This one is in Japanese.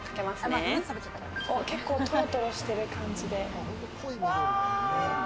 結構トロトロしてる感じで。